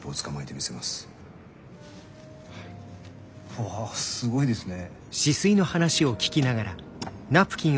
わぁすごいですね。